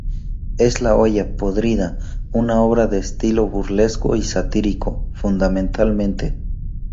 Es la "Olla podrida", una obra de estilo burlesco y satírico, fundamentalmente.